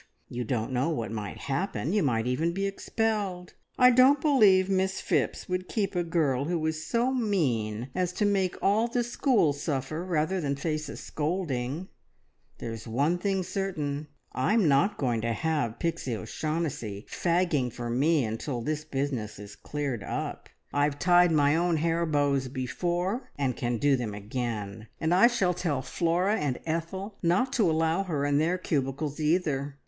You don't know what might happen you might even be expelled! I don't believe Miss Phipps would keep a girl who was so mean as to make all the school suffer rather than face a scolding. There's one thing certain, I'm not going to have Pixie O'Shaughnessy fagging for me until this business is cleared up! I have tied my own hair bows before and can do them again, and I shall tell Flora and Ethel not to allow her in their cubicles either.